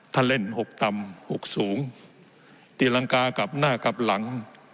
ท่านเล่นหกตำหกสูงตีลังกากลับหน้ากลับหลัง